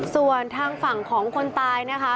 ส่วนทางฝั่งของคนตายนะคะ